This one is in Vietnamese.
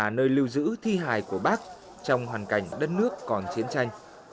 là nơi lưu giữ thi hài của bác trong hoàn cảnh đất nước còn chiến tranh